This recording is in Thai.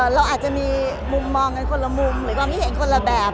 เราอาจจะมีมุมมองกันคนละมุมหรือความคิดเห็นคนละแบบ